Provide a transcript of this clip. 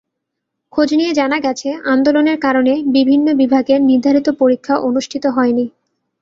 খোঁজ নিয়ে জানা গেছে, আন্দোলনের কারণে বিভিন্ন বিভাগের নির্ধারিত পরীক্ষা অনুষ্ঠিত হয়নি।